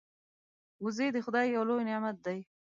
وزې د خدای یو لوی نعمت دی